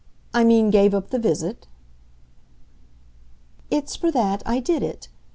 I mean gave up the visit." "It's for that I did it.